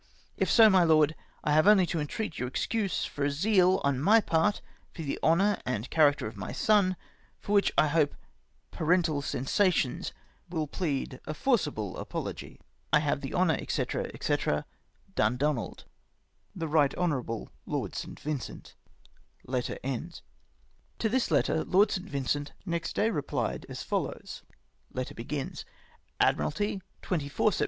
If so, my Lord, I have only to entreat your excuse for a zeal on my part for the honour and character of my son, for which I hope parental sensations will plead a forcible apology. " I have the honour, &c. &c. " DUNDONALD. " The Right Hon. Lord St. Vincent." To tliis letter Lord St. Vincent next day repKed as follows :— "Admiralty, Sept.